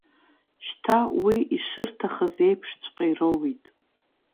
Шьҭа уи ишырҭахыз еиԥшҵәҟьа ироуит.